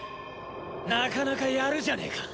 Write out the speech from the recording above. なかなかやるじゃねえか。